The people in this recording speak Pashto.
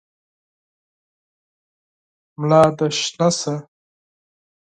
ملا دي شنه شه !